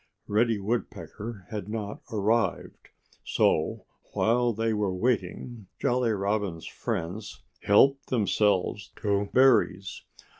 Reddy Woodpecker had not arrived. So, while they were waiting Jolly Robin's friends helped themselves to berries.